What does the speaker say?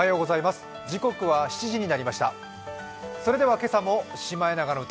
今朝も「シマエナガの歌」